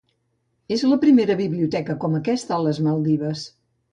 És la primera biblioteca com aquesta a les Maldives.